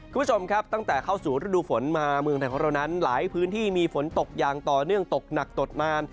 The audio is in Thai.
คุณผู้ชมครับตั้งแต่เข้าสู่ฤดูฝนมาเมืองไทยของเรานั้นหลายพื้นที่มีฝนตกอย่างต่อเนื่องตกหนักตกนาน